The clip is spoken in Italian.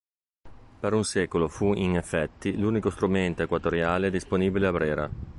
Per un secolo fu in effetti l'unico strumento equatoriale disponibile a Brera.